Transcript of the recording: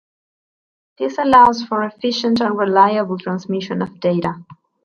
This allows for efficient and reliable transmission of data.